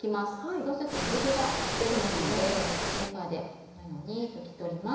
そうすると水気が出ますのでペーパーでこのように拭き取ります。